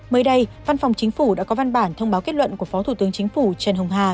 mới đây văn phòng chính phủ đã có văn bản thông báo kết luận của phó thủ tướng chính phủ trần hồng hà